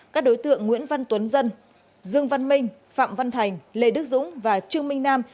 các đối tượng nguyễn văn tuấn dân dương văn minh phạm văn thành lê đức dũng và trương minh nam